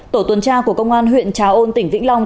tổ tuần tra của công an huyện trà ôn tỉnh vĩnh long